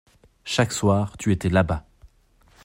Chaque soir, tu étais là-bas.